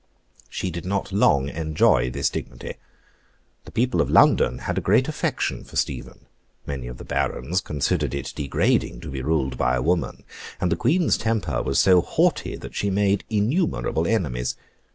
She did not long enjoy this dignity. The people of London had a great affection for Stephen; many of the Barons considered it degrading to be ruled by a woman; and the Queen's temper was so haughty that she made innumerable enemies.